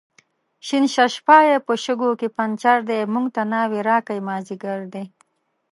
شین ششپای په شګو کې پنچر دی، موږ ته ناوې راکئ مازدیګر دی